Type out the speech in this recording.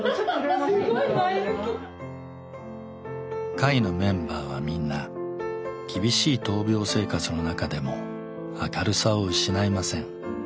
会のメンバーはみんな厳しい闘病生活の中でも明るさを失いません。